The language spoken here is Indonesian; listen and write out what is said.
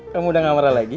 kamu udah gak marah lagi